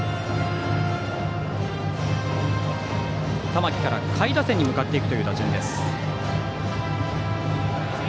玉木から下位打線に向かっていく打順です。